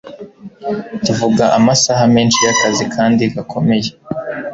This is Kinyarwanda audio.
tuvuga amasaha menshi y'akazi kandi gakomeye